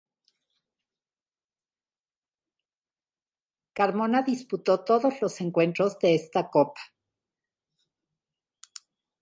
Carmona disputó todos los encuentros de esta copa.